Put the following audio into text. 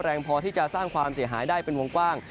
แรงพอที่จะสร้างความเสียหายได้เป็นวงกว้าง